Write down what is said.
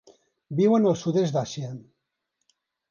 Viuen al sud-est d'Àsia.